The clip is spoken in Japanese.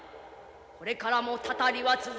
これからも祟りは続く。